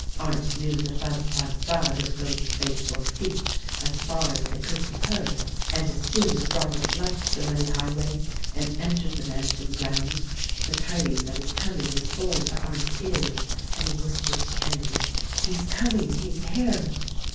Arndt knew the thud, thud, thud of those faithful feet as far as they could be heard; and as soon as Robert left the muddy highway and entered the mansion grounds the tid ings of his coming was borne to Arndt's ears and he whis pered to Kenedy, "He is coming, he is here